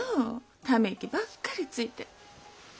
ため息ばっかりついて。